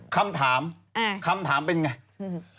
คำถามคำถามเป็นไง